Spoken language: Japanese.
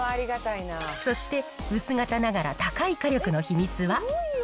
そして、薄型ながら高い火力の秘密は。